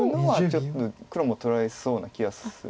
ちょっと黒も取られそうな気がするので。